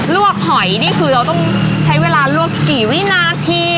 วกหอยนี่คือเราต้องใช้เวลาลวกกี่วินาที